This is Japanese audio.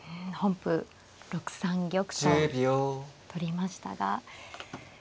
うん本譜６三玉と取りましたが。